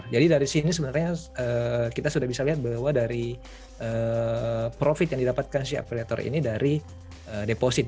jadi dari sini sebenarnya kita sudah bisa lihat bahwa dari profit yang didapatkan si afiliator ini dari deposit